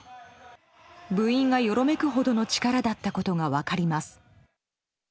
部員がよろめくほどの力だったことが分かります。